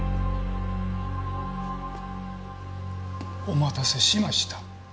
お待たせしました。